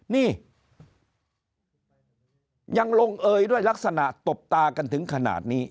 นี่ยังลงเอยด้วยลักษณะตบตากันถึงขนาดนี้